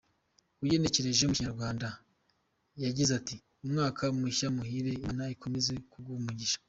Ugenekereje mu Kinyarwanda yagize ati “Umwaka mushya muhire Imana ikomeze kuguha umugisha.